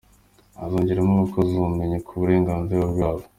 Azongerera abakozi ubumenyi ku burenganzira bwabo.